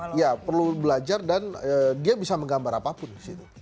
iya perlu belajar dan dia bisa menggambar apapun disitu